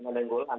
tapi betul pak